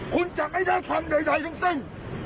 คุณจะไม่ได้ทำใดทั้งสิ้น